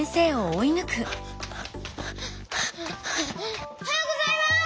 おはようございます！